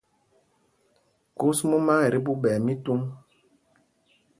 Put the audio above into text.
Kus mumá ɛ tí ɓuu ɓɛɛ mítuŋ.